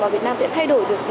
và việt nam sẽ thay đổi được